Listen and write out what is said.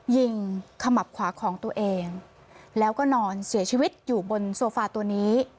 ขมับขวาของตัวเองแล้วก็นอนเสียชีวิตอยู่บนโซฟาตัวนี้